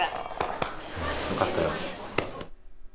よかったよ。